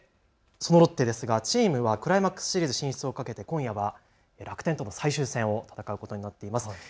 そのロッテですがチームはクライマックス進出をかけて今夜は楽天との最終戦を戦うことになっています。